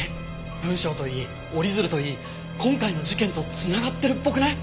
文章といい折り鶴といい今回の事件と繋がってるっぽくない？